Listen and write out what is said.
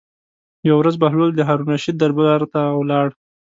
یوه ورځ بهلول د هارون الرشید دربار ته ولاړ.